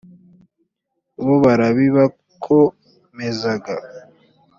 bobarabibakomezaga.